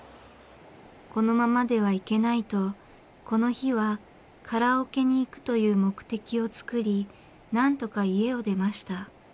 このままではいけないとこの日はカラオケに行くという目的を作りなんとか家を出ました。